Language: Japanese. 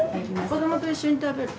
子どもと一緒に食べる？